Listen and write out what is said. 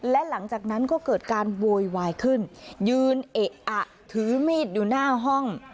และหลังจากนั้นก็เกิดการโวยวายขึ้นยืนเอะอะถือมีดอยู่หน้าห้อง